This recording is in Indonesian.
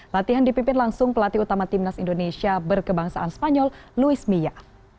latihan dipimpin langsung pelatih utama timnas indonesia berkebangsaan spanyol luis mia